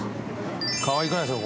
かわいくないですか？